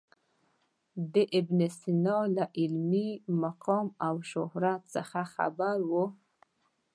د ابن سینا له علمي مقام او شهرت څخه خبر و.